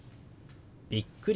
「びっくり」。